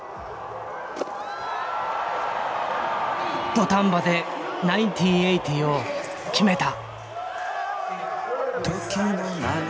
土壇場でナインティーンエイティを決めた。